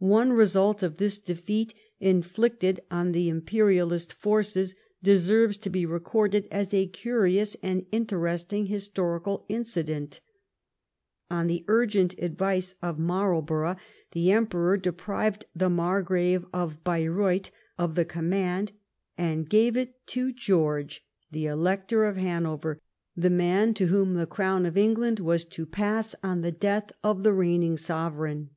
One result of this defeat inflicted on the imperialist forces deserves to be recorded as a curious and interesting historical incident. On the urgent advice of Marl borough the Emperor deprived the Margrave of Bai reuth of the command, and gave it to G^rge, the Elector of Hanover, the man to whom the crown of England was to pass on the death of the reigning sov ereign.